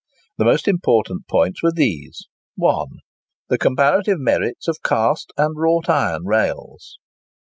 The most important points were these: 1. The comparative merits of cast and wrought iron rails.